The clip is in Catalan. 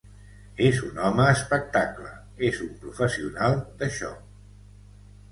És un home espectacle, és un professional d’això.